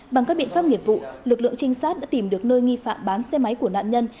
bằng các biện pháp nghiệp vụ lực lượng trinh sát đã tìm được nơi nghi phạm bán xe máy của nạn nhân